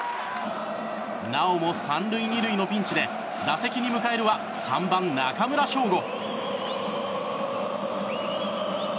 なおも３塁２塁のピンチで打席に迎えるは３番、中村奨吾。